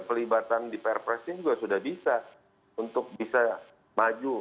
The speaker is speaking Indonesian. pelibatan di pr pres ini juga sudah bisa untuk bisa maju